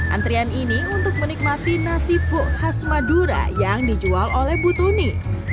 antrian ini untuk menikmati nasi buk khas madura yang dijual oleh butuni